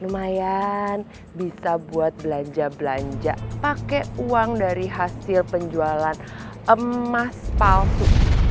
lumayan bisa buat belanja belanja pakai uang dari hasil penjualan emas palsu